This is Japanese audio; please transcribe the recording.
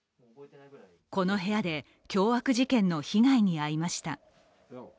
この部屋で凶悪事件の被害に遭いました。